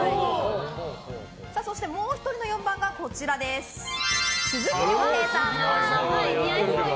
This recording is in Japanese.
そしてもう１人は鈴木亮平さん。